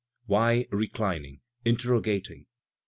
Why reclining, interrogating?